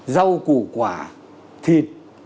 rau củ quả thịt